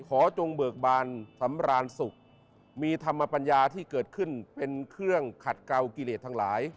จงเบิกบานสำราญสุขมีธรรมปัญญาที่เกิดขึ้นเป็นเครื่องขัดเกากิเลสทั้งหลาย